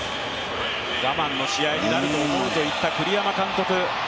我慢の試合になると思うと言った栗山監督。